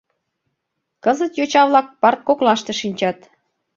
Кызыт йоча-влак парт коклаште шинчат.